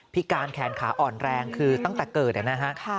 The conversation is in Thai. การแขนขาอ่อนแรงคือตั้งแต่เกิดนะฮะ